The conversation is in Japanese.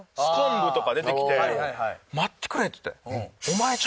「待ってくれ」って言って。